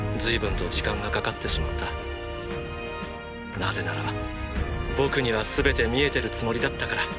なぜなら僕には全て見えてるつもりだったから。